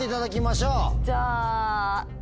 じゃあ。